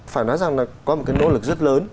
phải nói rằng là có một cái nỗ lực rất lớn